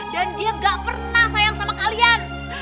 dan dia gak pernah sayang sama kalian